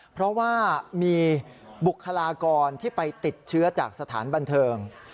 เพราะว่ามีบุคลากรที่ไปติดเชื้อจากสถานบันเทิง